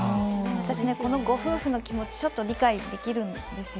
私、このご夫婦の気持ち、ちょっと理解できるんですよ。